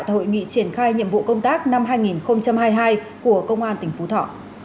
tại hội nghị triển khai nhiệm vụ công tác năm hai nghìn hai mươi hai của công an tỉnh phú thọ